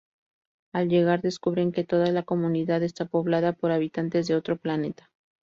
Al llegar, descubren que toda la comunidad está poblada por habitantes de otro planeta.